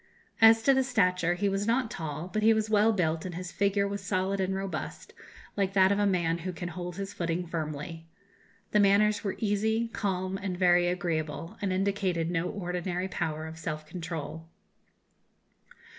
As to stature, he was not tall, but he was well built, and his figure was solid and robust, like that of a man who can hold his footing firmly. The manners were easy, calm, and very agreeable, and indicated no ordinary power of self control.